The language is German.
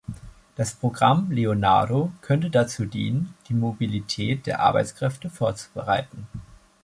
Das Programm Leonardo könnte dazu dienen, die Mobilität der Arbeitskräfte vorzubereiten.